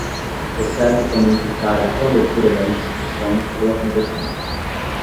exceto quando implicar a reabertura da instrução ou a conversão